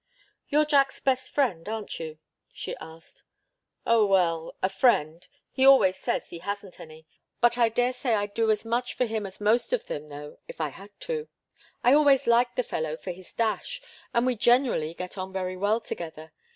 "You're Jack's best friend, aren't you?" she asked. "Oh, well a friend he always says he hasn't any. But I daresay I'd do as much for him as most of them, though, if I had to. I always liked the fellow for his dash, and we generally get on very well together.